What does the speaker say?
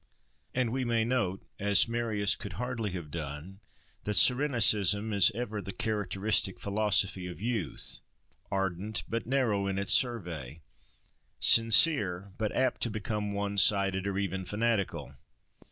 And we may note, as Marius could hardly have done, that Cyrenaicism is ever the characteristic philosophy of youth, ardent, but narrow in its survey—sincere, but apt to become one sided, or even fanatical.